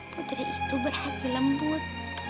putri itu berhati lembut